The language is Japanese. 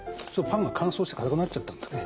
パンが乾燥してかたくなっちゃったんだね。